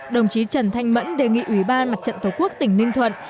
đồng chí trần thanh mẫn đề nghị ủy ban mặt trận tổ quốc tỉnh ninh thuận